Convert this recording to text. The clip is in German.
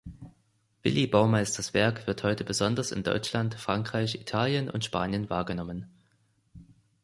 Willi Baumeisters Werk wird heute besonders in Deutschland, Frankreich, Italien und Spanien wahrgenommen.